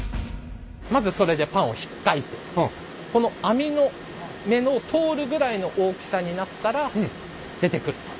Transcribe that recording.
まずそれでパンをひっかいてこの網の目の通るぐらいの大きさになったら出てくると。